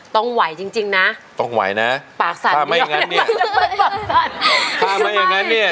ต้องไหวจริงนะต้องไหวนะถ้าไม่อย่างนั้นเนี่ย